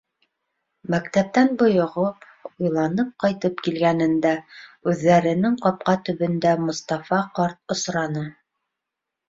Мәктәптән бойоғоп, уйланып ҡайтып килгәнендә үҙҙәренең ҡапҡа төбөндә Мостафа ҡарт осраны.